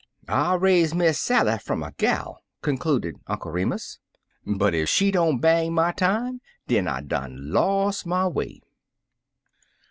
"I raise Miss Sally fum er gal," con cluded Uncle Remus, *'but ef she don't bang my time, den I done los' my way."